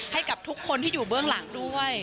ให้กับทุกคนที่อยู่เบื้องหลังด้วย